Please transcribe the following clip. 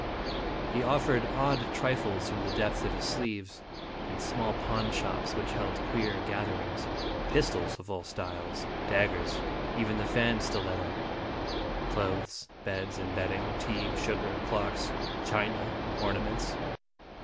He offered odd trifles from the depths of his sleeves, in small pawn shops, which held queer gather ings pistols of all styles, daggers, even the Dramatic in Jfls SDestinj). 135 fan stiletto, clothes, beds and bedding, tea, sugar, clocks, china, and ornaments.